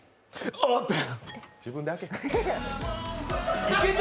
オープン！